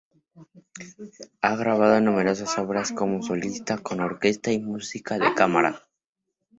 Ha grabado numerosas obras como solista con orquesta y música de cámara.